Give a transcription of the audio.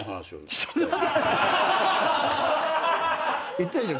言ったでしょ